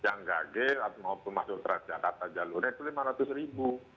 yang gage maupun mas ultra jakarta jalur itu lima ratus ribu